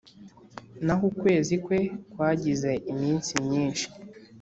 naho ukwezi kwe kwagize iminsi myinshi.